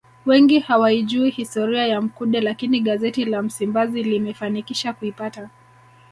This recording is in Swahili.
Wengi hawaijui historia ya Mkude lakini gazeti la Msimbazi limefanikisha kuipata